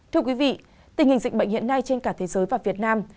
thưa quý vị tình hình dịch bệnh hiện nay trên cả thế giới và việt nam